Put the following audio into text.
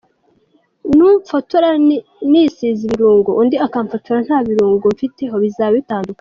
Numfotora nisize ibirungo, undi akamfotora nta birungo mfiteho, bizaba bitandukanye.